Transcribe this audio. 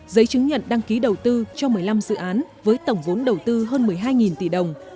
giấy chứng nhận đăng ký đầu tư cho một mươi năm dự án với tổng vốn đầu tư hơn một mươi hai tỷ đồng